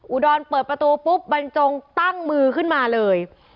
อุดรเปิดประตูปุ๊บบรรจงตั้งมือขึ้นมาเลย